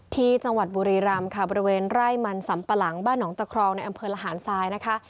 ที่จังหวัดบุรีรำค่ะบริเวณไร่มันสำปะหลังบ้านหนองตะครองในอำเภอระหารทรายนะคะ